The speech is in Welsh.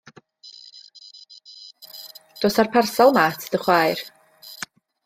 Dos â'r parsal 'ma at dy chwaer.